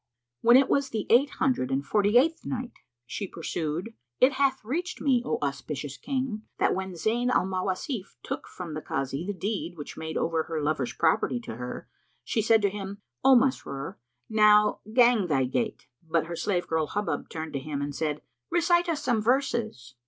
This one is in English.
When it was the Eight Hundred and Forty eighth Night, She pursued, It hath reached me, O auspicious King, that when Zayn al Mawasif took from the Kazi the deed which made over her lover's property to her, she said to him, "O Masrur, now gang thy gait." But her slave girl Hubub turned to him and said, "Recite us some verses."